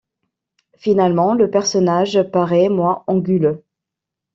Finalement le personnage paraît moins anguleux.